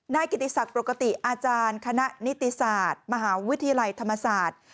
กิติศักดิ์ปกติอาจารย์คณะนิติศาสตร์มหาวิทยาลัยธรรมศาสตร์